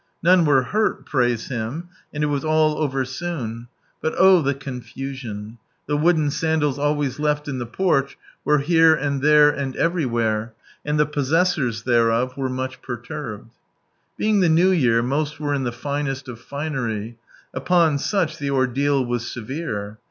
None were hurt, praise Him, and it was all over soon. But oh the confusion ! The wooden sandals always left in the porch, were here and there and everywhere, and the possessors thereof were much perturbed. '''""' Being the New Year, most were in the finest of finery ; upon such the ordeal was severe.